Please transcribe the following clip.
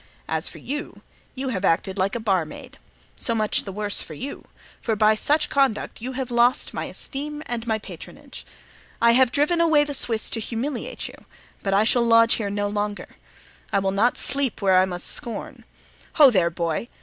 As for you, you have acted like a barmaid. So much the worse for you, for by such conduct you have lost my esteem and my patronage. I have driven away the Swiss to humiliate you, but I shall lodge here no longer. I will not sleep where I must scorn. Ho, there, boy!